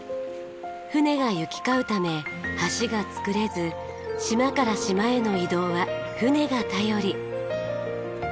船が行き交うため橋が造れず島から島への移動は船が頼り。